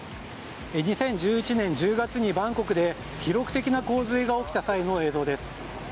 ２０１１年１０月にバンコクで記録的な洪水が起きた際の映像です。